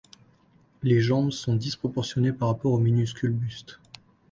Les jambes sont disproportionnées par rapport au minuscule buste.